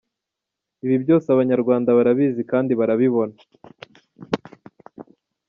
Ibi byose abanyarwanda barabizi kandi barabibona.